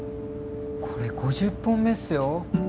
これ５０本目っすよ。